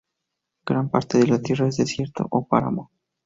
Gran parte de la tierra es desierto o páramo.